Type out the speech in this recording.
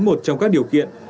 một trong các điều kiện